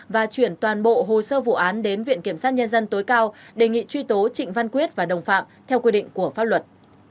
và chuyển toàn bộ hồ sơ vụ án đến viện kiểm sát nhân dân tối cao đề nghị truy tố trịnh văn quyết và đồng phạm theo quy định của pháp luật